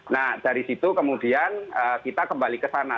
nah dari situ kemudian kita kembali ke sana